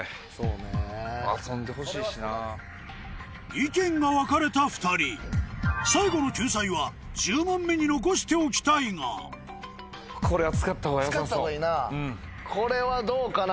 意見が分かれた２人最後の救済は１０問目に残しておきたいが使ったほうがいいなこれはどうかな？